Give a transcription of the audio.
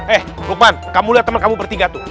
eh lukman kamu lihat teman kamu bertiga tuh